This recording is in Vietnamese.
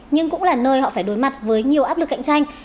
nhưng cũng là nơi họ phải đối mặt với nhiều áp lực cạnh tranh